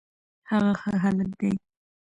هغه ښه هلک دی